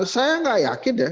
saya enggak yakin ya